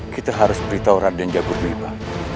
kita harus beritahu raden jagur dipa